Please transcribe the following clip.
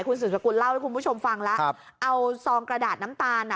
คุณสุดท้ายคุณเล่าให้คุณผู้ชมฟังล่ะครับเอาซองกระดาษน้ำตาลอ่ะ